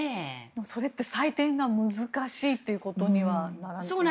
それって採点が難しいということにはならないんでしょうか。